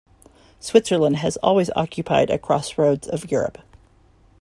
Switzerland has always occupied a crossroads of Europe.